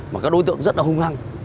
mà các đối tượng rất là hung hăng